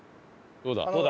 どうだ？